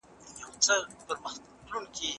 که هغه نه وي ښار به ګند وي.